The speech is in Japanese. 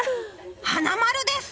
花丸です！